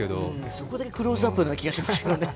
そこでクローズアップな気がしますけど。